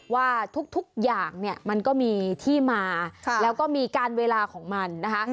ว่าทุกอย่างเนี่ยมันก็มีที่มาแล้วก็มีการเวลาของมันนะคะ